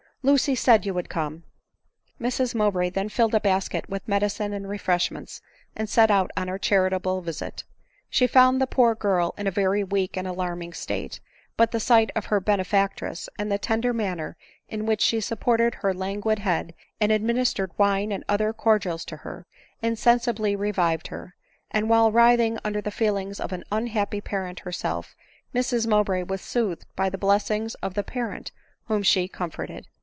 Lucy said you would come !", Mrs Mowbray then filled a basket with medicine and refreshments, and set out on her charitable visit. She found the poor girl in a very weak and alarming state ; but the sight of her benefactress, and the tender manner in which she supported her lauguid head, and administered wine and otner cordials to her, insensibly revived her ; and while writhing under the feelings of an unhappy parent herself, Mrs Mowbray was soothed by the blessings of the parent whom she comforted.